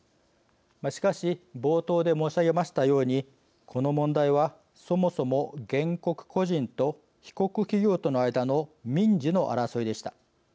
しかし、冒頭で申し上げましたようにこの問題はそもそも原告個人と被告企業との間の民事の争いでした。